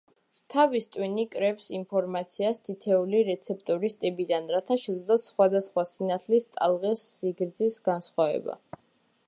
თავის ტვინი კრებს ინფორმაციას თითოეული რეცეპტორის ტიპიდან, რათა შეძლოს სხვადასხვა სინათლის ტალღის სიგრძის განსხვავება.